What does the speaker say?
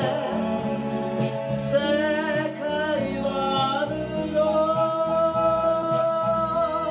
「世界はあるの」